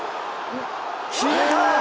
決めた！